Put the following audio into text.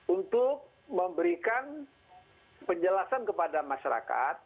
untuk memberikan penjelasan kepada masyarakat